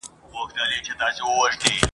تور او سور زرغون کفن مي جهاني در څخه غواړم ..